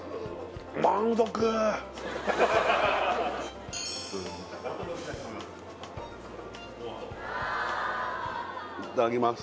満足いただきます